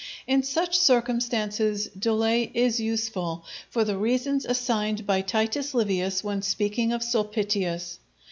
In such circumstances delay is useful, for the reasons assigned by Titus Livius when speaking of Sulpitius.